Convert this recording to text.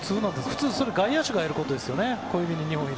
普通、外野手がやることですね。